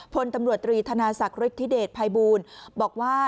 พลตำรวจตรีธนาศักดิเดชภัยบูลบอกว่า